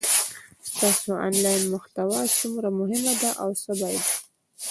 ستاسو انلاین محتوا څومره مهمه ده او څه باید